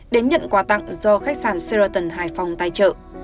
để nhận quà tặng do khách sạn sheraton hải phòng tài trợ